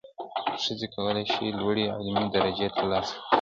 ښځې کولای شي لوړې علمي درجې ترلاسه کړي.